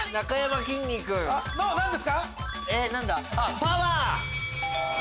パワー！